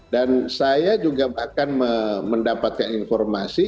dan saya juga bahkan mendapatkan informasi